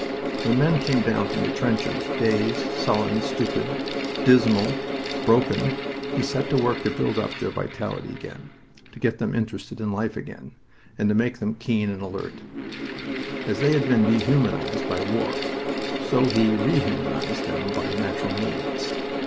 When men came down from the trenches, dazed, sullen, stupid, dismal, broken, he set to work to build up their vitality again, to get them interested in life again, and to make them keen and alert. As they had been dehumanized by war, so he rehumanized them by natural means.